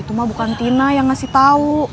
itu mah bukan tina yang ngasih tahu